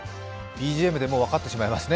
ＢＧＭで分かってしまいますね